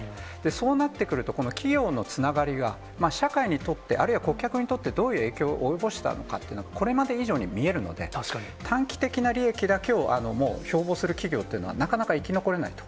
そうなってくると、この企業のつながりが、社会にとって、あるいは顧客にとってどういう影響を及ぼしたかってこれまで以上に見えるので、短期的な利益だけをもう標ぼうする企業というのはなかなか生き残れないと。